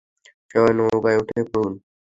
সবাই নৌকায় উঠে পড়ুন!